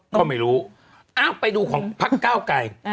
ก็ไม่รู้ไปดูของพักเก้าไกร